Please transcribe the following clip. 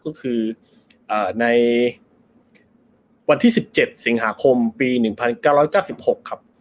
ก็คือในวันที่๑๗สิงหาคมปี๑๙๙๖ครับ